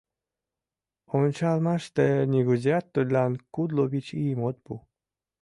Ончалмаште нигузеат тудлан кудло вич ийым от пу.